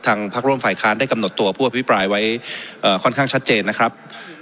พักร่วมฝ่ายค้านได้กำหนดตัวผู้อภิปรายไว้ค่อนข้างชัดเจนนะครับ